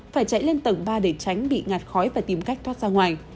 phải chạy lên tầng ba để tránh bị ngạt khói và tìm cách thoát ra ngoài